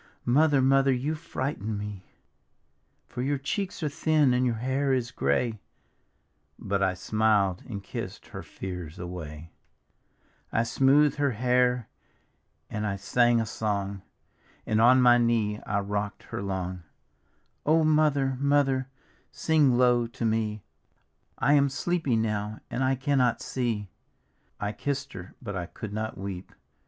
Mother, Mother, you frighten me! For your cheeks are thin and your hair is grayl " But I smiled and kissed her fears away, I smooth'd her hair and I sang a song, And on my knee I rocked her long: " O Mother, Mother, sing low to me — I am sleepy now, and I cannot sec! " I kissed her, but I could not weep.